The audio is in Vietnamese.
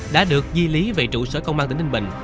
đã được di lý về trụ sở công an tỉnh ninh bình